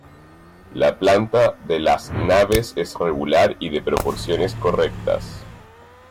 La planta de las naves es regular y de proporciones correctas.